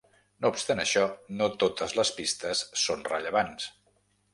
No obstant això, no totes les pistes són rellevants.